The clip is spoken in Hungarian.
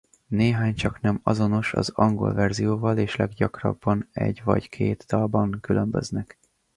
Néhány csaknem azonos az angol verzióval és leggyakrabban egy vagy két dalban különböznek.